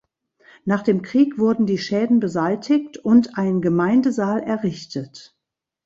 Nach dem Krieg wurden die Schäden beseitigt und ein Gemeindesaal errichtet.